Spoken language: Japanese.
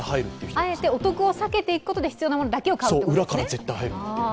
あえてお得を避けていくことで必要なものだけを買うということですね。